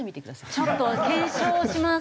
ちょっと検証します。